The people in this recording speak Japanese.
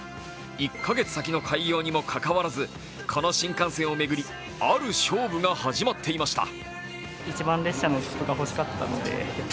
１カ月先の開業にもかかわらずこの新幹線を巡りある勝負が始まっていました。